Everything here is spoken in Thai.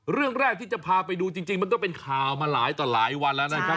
เรื่องแรกที่จะพาไปดูจริงมันก็เป็นข่าวมาหลายต่อหลายวันแล้วนะครับ